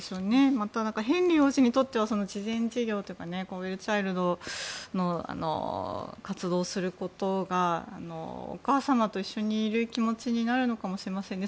また、ヘンリー王子にとっては慈善事業というかウェルチャイルドの活動をすることがお母様と一緒にいる気持ちになるかもしれませんね。